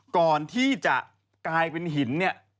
ก่อนที่จะกลายเป็นหินเนี่ย